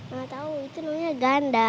gak tau itu namanya ganda